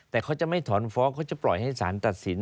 แต่เขาจะไม่ถอนฟ้องเขาจะปล่อยให้สารตัดสิน